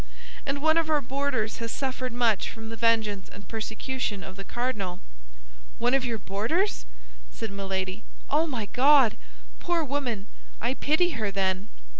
And one of our boarders has suffered much from the vengeance and persecution of the cardinal!" "One of your boarders?" said Milady; "oh, my God! Poor woman! I pity her, then."